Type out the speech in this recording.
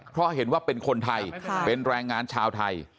เพราะเห็นว่าเป็นคนไทยเป็นแรงงานชาวไทย